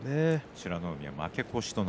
美ノ海は負け越しです。